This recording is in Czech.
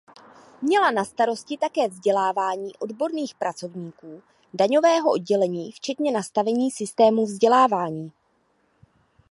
Měla na starosti také vzdělávání odborných pracovníků daňového oddělení včetně nastavení systému vzdělávání.